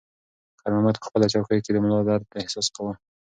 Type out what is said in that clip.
خیر محمد په خپله چوکۍ کې د ملا د درد احساس کاوه.